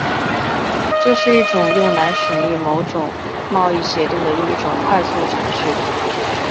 这是一种用来审议某些贸易协定的一种快速程序。